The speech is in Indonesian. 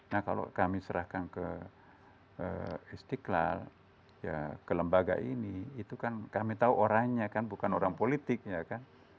nah kalau kami serahkan ke istiqlal ya ke lembaga ini itu kan kami tahu orangnya kan bukan orang politik ya kan